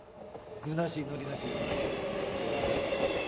具なし海苔なし。